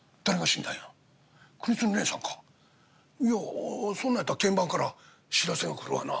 いやそんなんやったら検番から知らせが来るわな。